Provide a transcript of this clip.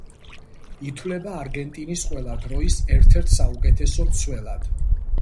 ითვლება არგენტინის ყველა დროის ერთ-ერთ საუკეთესო მცველად.